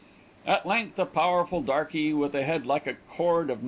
At length a powerful darkey, with a head like a cord of No.